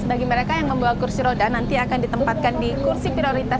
bagi mereka yang membawa kursi roda nanti akan ditempatkan di kursi prioritas